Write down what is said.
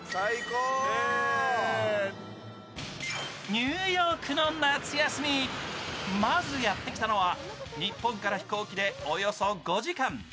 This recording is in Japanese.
ニューヨークの夏休み、まずやって来たのは日本から飛行機でおよそ５時間。